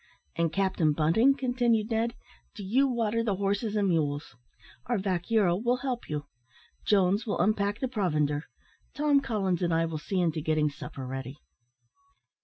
"And, Captain Bunting," continued Ned, "do you water the horses and mules: our vaquero will help you. Jones will unpack the provender. Tom Collins and I will see to getting supper ready."